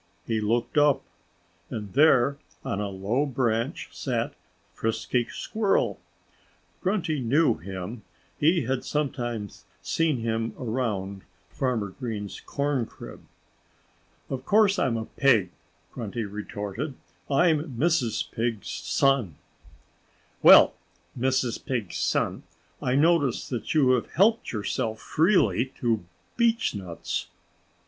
He looked up. And there on a low branch sat Frisky Squirrel. Grunty knew him; he had sometimes seen him around Farmer Green's corncrib. "Of course I'm a Pig," Grunty retorted. "I'm Mrs. Pig's son." "Well, Mrs. Pig's son, I notice that you have helped yourself freely to beechnuts."